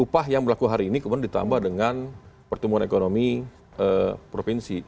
upah yang berlaku hari ini kemudian ditambah dengan pertumbuhan ekonomi provinsi